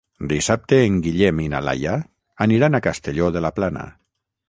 Dissabte en Guillem i na Laia aniran a Castelló de la Plana.